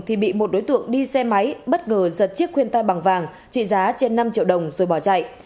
thì bị một đối tượng đi xe máy bất ngờ giật chiếc khuyên tay bằng vàng trị giá trên năm triệu đồng rồi bỏ chạy